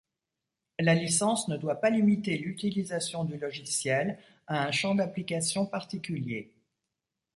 La licence ne doit pas limiter l'utilisation du logiciel à un champ d'application particulier.